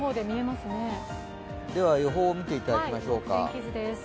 予報を見ていただきましょう。